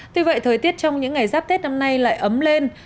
tuy vậy thời tiết trong những ngày giáp tết năm nay lại ấm lên